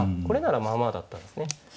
これならまあまあだったんですね。